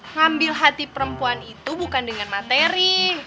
ngambil hati perempuan itu bukan dengan materi